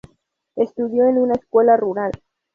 Estudió en una escuela rural.